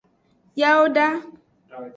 Yawoda.